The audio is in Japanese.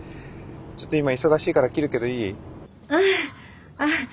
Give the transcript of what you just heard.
ちょっと今忙しいから切るけどいい？